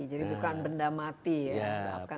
jadi bukan benda mati ya